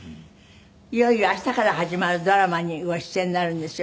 いよいよ明日から始まるドラマにご出演なるんですよ。